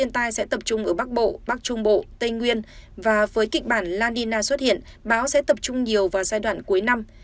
tập trung ở bắc bộ bắc trung bộ tây nguyên và với kịch bản landina xuất hiện báo sẽ tập trung nhiều vào giai đoạn cuối năm